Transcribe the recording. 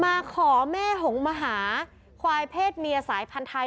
มาขอแม่หงมหาควายเพศเมียสายพันธุ์ไทย